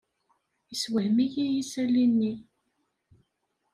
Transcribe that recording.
Yessewhem-iyi yisali-nni.